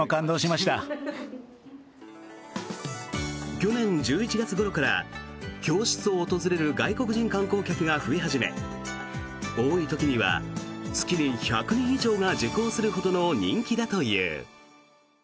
去年１１月ごろから教室を訪れる外国人観光客が増え始め多い時には月に１００人以上が受講するほどの人気だという。